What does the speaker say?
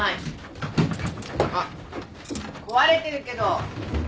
あっ壊れてるけど。